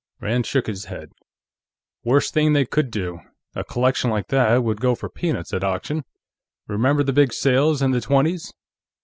Rand shook his head. "Worst thing they could do; a collection like that would go for peanuts at auction. Remember the big sales in the twenties?...